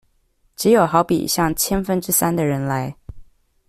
只有好比像千分之三的人來